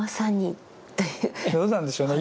どうなんでしょうね。